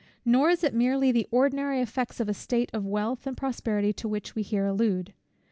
Nor is it merely the ordinary effects of a state of wealth and prosperity to which we here allude.